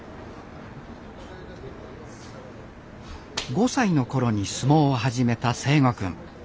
５歳の頃に相撲を始めた誠心くん。